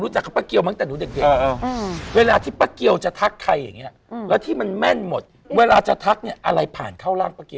รวยสิเขาให้รวยตังไม่ขาดใช้นั่นสิ